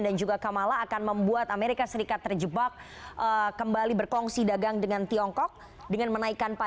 dan juga kamala akan membuat amerika serikat terjebak kembali berkongsi dagang dengan tiongkok dengan menaikan pajak